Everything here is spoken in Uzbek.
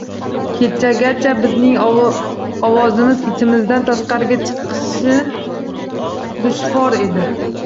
Kechagacha bizning ovozimiz ichimizdan tashimizga chiqishi dushvor edi.